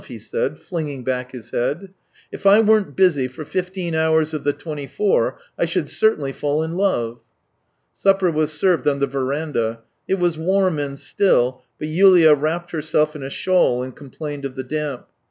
he said, flinging back his head. " If I weren't busy for fifteen hours of the twenty four, I should certainly fall in love." Supper was served on the verandah; it was warm and still, but Yulia wrapped herself in a shawl and complained of the damp.